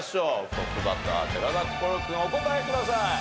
トップバッター寺田心君お答えください。